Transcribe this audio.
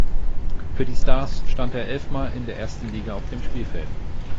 Für die Stars stand er elfmal in der ersten Liga auf dem Spielfeld.